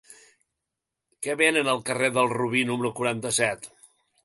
Què venen al carrer del Robí número quaranta-set?